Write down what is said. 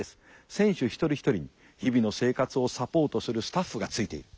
選手一人一人に日々の生活をサポートするスタッフがついている。